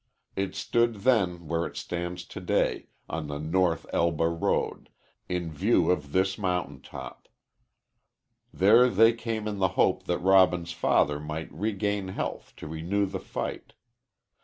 It stood then where it stands to day, on the North Elba road, in view of this mountain top. There they came in the hope that Robin's father might regain health to renew the fight.